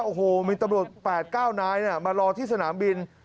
โอ้โหมีตำรวจ๘๙นายมารอที่สนามบิน